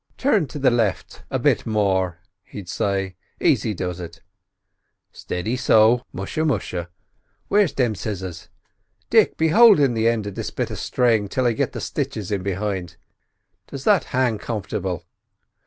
"Turn to the lift a bit more," he'd say, "aisy does it. Stidy so—musha! musha! where's thim scissors? Dick, be holdin' the end of this bit of string till I get the stitches in behint. Does that hang comfortable?